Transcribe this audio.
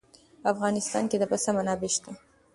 په افغانستان کې د پسه منابع شته.